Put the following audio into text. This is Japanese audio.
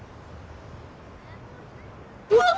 うわっ！